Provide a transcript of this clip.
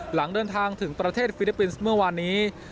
หลังเดินทางถึงประเทศฟิลิปปินส์เมื่อวานนี้